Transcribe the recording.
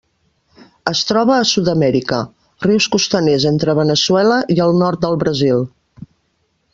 Es troba a Sud-amèrica: rius costaners entre Veneçuela i el nord del Brasil.